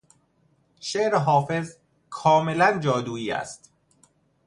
شعر حافظ کاملا جادویی است.